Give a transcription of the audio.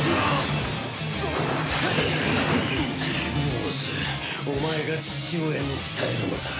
坊主お前が父親に伝えるのだ。